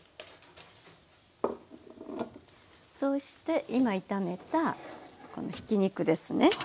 そして今炒めたこのひき肉ですね入れます。